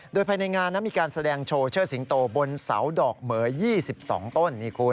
โดยภายในงานมีการแสดงโชว์เชิดสิงโตบนเสาดอกเหมือ๒๒ต้น